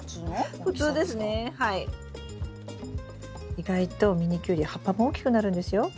意外とミニキュウリ葉っぱも大きくなるんですよ。